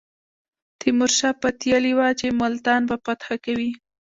تیمور شاه پتېیلې وه چې ملتان به فتح کوي.